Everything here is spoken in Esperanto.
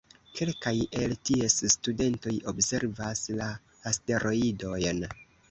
Kelkaj el ties studentoj observas la asteroidojn.